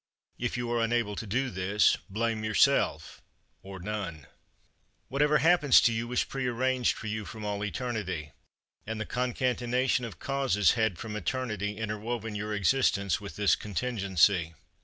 If you are unable to do this, blame yourself or none. 5. Whatever happens to you was prearranged for you from all eternity; and the concatenation of causes had from eternity interwoven your existence with this contingency.